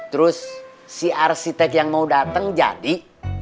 terus si arsitek yang mau datang jadi